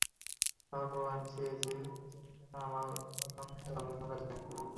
তার পরও আমি চেয়েছি, তিনি যেন আমার নতুন অ্যালবামের সঙ্গে থাকেন।